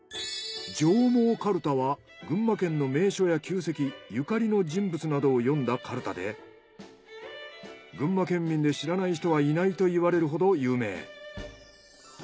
上毛かるたは群馬県の名所や旧跡ゆかりの人物などを読んだかるたで群馬県民で知らない人はいないと言われるほど有名。